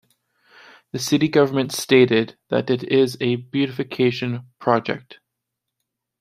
The city government stated that it is a beautification project.